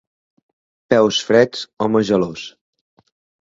Peus freds, home gelós.